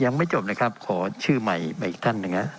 ยังไม่จบนะครับขอชื่อใหม่มาอีกท่านหนึ่งนะ